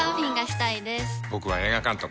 僕は映画監督。